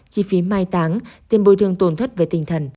chi phí mai táng tiền bồi thường tồn thất về tinh thần